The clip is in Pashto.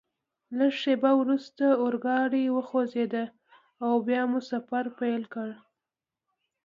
لږ شیبه وروسته اورګاډي وخوځېدل او بیا مو سفر پیل کړ.